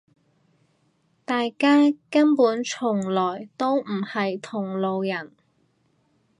大家根本從來都唔係同路人